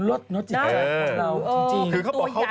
ลงจากนี้ตัวอย่างที่นี่